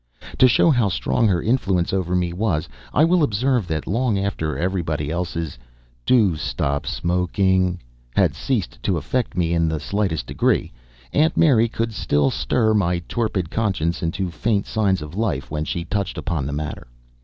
To show how strong her influence over me was, I will observe that long after everybody else's "do stop smoking" had ceased to affect me in the slightest degree, Aunt Mary could still stir my torpid conscience into faint signs of life when she touched upon the matter.